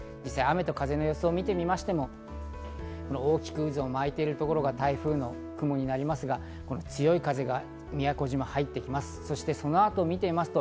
風の様子を見ましても大きく渦を巻いているところが台風の雲になりますが、強い風が宮古島、入ってきます。